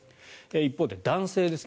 一方で男性です。